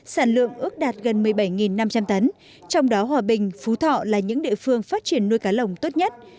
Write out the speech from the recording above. sản lượng ước đạt gần một mươi bảy năm trăm linh tấn trong đó hòa bình phú thọ là những địa phương phát triển nuôi cá lồng tốt nhất